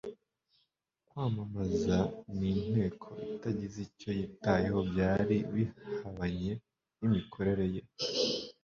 Kwamamazwa n'inteko itagize icyo yitayeho byari bihabanye n'imikorere ye.